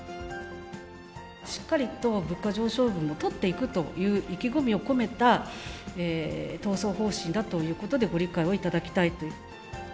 しっかりと物価上昇分を取っていくという意気込みを込めた、闘争方針だということでご理解を頂きたいと。